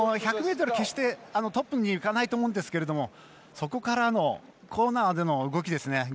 １００ｍ、決してトップにいかないと思うんですがそこからのコーナーでの動きですね。